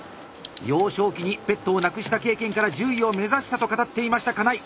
幼少期にペットを亡くした経験から獣医を目指したと語っていました金井。